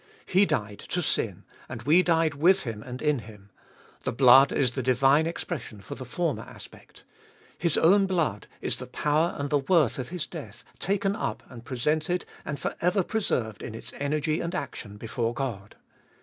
He died to sin, and we died with Him and in Him. The blood is the divine expression for the former aspect : His own blood is the power and the worth of His death taken up and presented and for ever preserved in its energy and action before God.